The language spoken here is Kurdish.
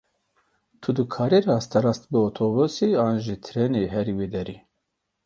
Tu dikarî rasterast bi otobûsê an jî trênê herî wê derê.